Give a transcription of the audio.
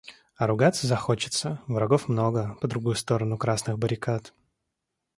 А ругаться захочется — врагов много по другую сторону красных баррикад.